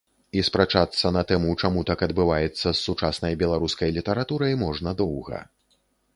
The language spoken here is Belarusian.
І спрачацца на тэму, чаму так адбываецца з сучаснай беларускай літаратурай, можна доўга.